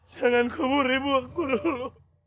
jangan kabur ibu aku dulu